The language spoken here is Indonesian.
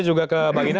juga ke bang ina